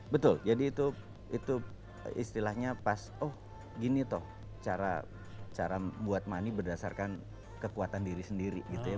betul jadi itu istilahnya pas oh gini toh cara buat money berdasarkan kekuatan diri sendiri gitu ya